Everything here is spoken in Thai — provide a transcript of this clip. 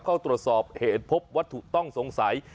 เข้าตรวจสอบเหตุพบวัตถุต้องสงสัย